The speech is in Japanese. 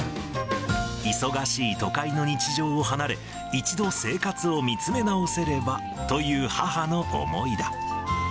忙しい都会の日常を離れ、一度生活を見つめ直せればという母の思いだ。